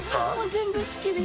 全部好きです。